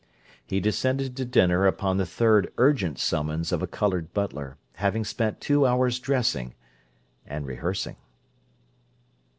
He descended to dinner upon the third urgent summons of a coloured butler, having spent two hours dressing—and rehearsing.